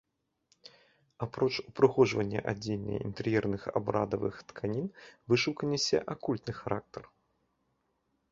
Апроч упрыгожвання адзення і інтэр'ерных абрадавых тканін, вышыўка нясе акультны характар.